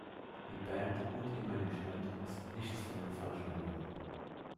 Die Band und ihr Management wussten nichts von den Falschmeldungen.